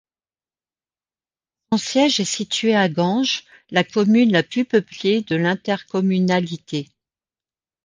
Son siège est situé à Ganges, la commune la plus peuplée de l'intercommunalité.